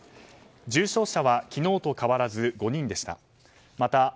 重症者は昨日と変わらず５人でした。